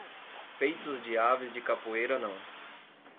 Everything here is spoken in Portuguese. Peitos de aves de capoeira não.